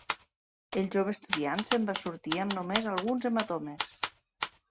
El jove estudiant se'n va sortir amb només alguns hematomes.